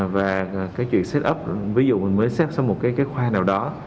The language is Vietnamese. và cái chuyện set up ví dụ mình mới set xong một cái khoa nào đó